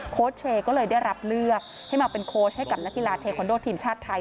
เชย์ก็เลยได้รับเลือกให้มาเป็นโค้ชให้กับนักกีฬาเทคอนโดทีมชาติไทย